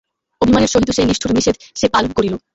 অভিমানের সহিত সেই নিষ্ঠুর নিষেধ সে পালন করিল।